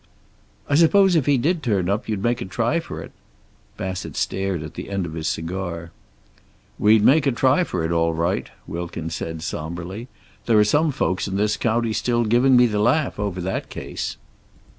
"I suppose if he did turn up you'd make a try for it." Bassett stared at the end of his cigar. "We'd make a try for it, all right," Wilkins said somberly. "There are some folks in this county still giving me the laugh over that case."